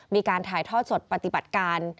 มีการถ่ายทอดสดปฏิบัติการ